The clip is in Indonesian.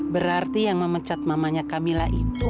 berarti yang memecat mamanya camilla itu